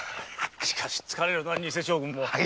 しかし疲れるな偽将軍も。